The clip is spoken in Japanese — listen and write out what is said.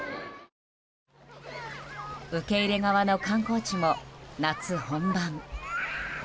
受け入れ側の観光地も、夏本番。